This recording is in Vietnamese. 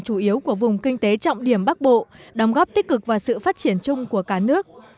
chủ yếu của vùng kinh tế trọng điểm bắc bộ đóng góp tích cực và sự phát triển chung của cả nước